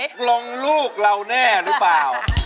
ตกลงลูกเราแน่หรือเปล่า